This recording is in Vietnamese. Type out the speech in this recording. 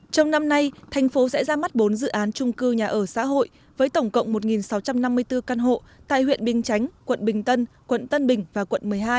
trong năm nay thành phố sẽ ra mắt bốn dự án trung cư nhà ở xã hội với tổng cộng một sáu trăm năm mươi bốn căn hộ tại huyện bình chánh quận bình tân quận tân bình và quận một mươi hai